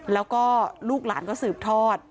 แล้วก็ลูกหลานก็สืบทอด